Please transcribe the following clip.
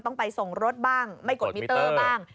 ต้องไปส่งรถบ้างไม่กดมิเตอร์บ้าง